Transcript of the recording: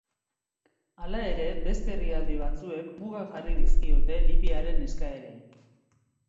Hala ere, beste herrialde batzuek mugak jarri dizkiote Libiaren eskaerei.